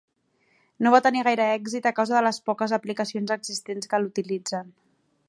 No va tenir gaire èxit a causa de les poques aplicacions existents que l'utilitzen.